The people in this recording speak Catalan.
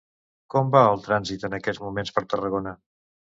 Com va el trànsit en aquests moments per Tarragona?